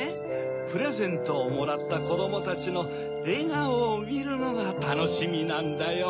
プレゼントをもらったこどもたちのえがおをみるのがたのしみなんだよ。